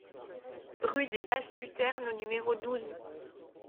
Rue des Basses Buternes au numéro douze